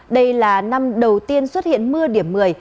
đây là năm đầu tiên xuất hiện mưa điểm thi